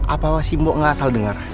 apa simbo gak asal denger